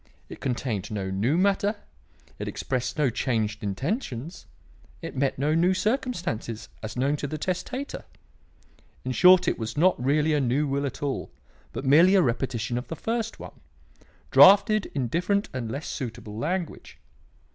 It contained no new matter; it expressed no changed intentions; it met no new circumstances, as known to the testator. In short it was not really a new will at all, but merely a repetition of the first one, drafted in different and less suitable language.